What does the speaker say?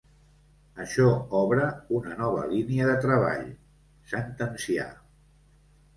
Això obre una nova línia de treball —sentencià.